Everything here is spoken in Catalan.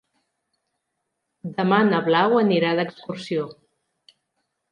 Demà na Blau anirà d'excursió.